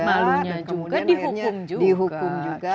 kemudian akhirnya dihukum juga